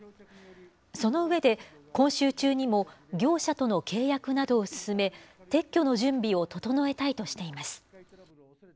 その上で、今週中にも業者との契約などを進め、撤去の準備を整えたいとしています。